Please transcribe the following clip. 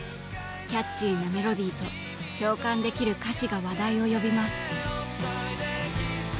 キャッチーなメロディーと共感できる歌詞が話題を呼びます。